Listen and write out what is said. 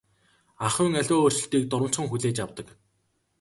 Ахуйн аливаа өөрчлөлтийг дурамжхан хүлээж авдаг.